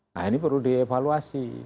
nah ini perlu dievaluasi